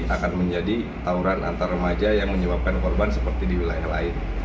akan menjadi tawuran antar remaja yang menyebabkan korban seperti di wilayah lain